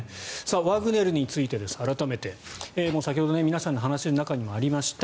ワグネルについて改めて先ほど皆さんの話の中にもありました。